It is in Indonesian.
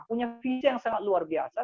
punya visa yang sangat luar biasa